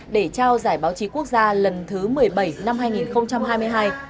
để trao giải báo chí quốc gia lần thứ một mươi bảy năm hai nghìn hai mươi hai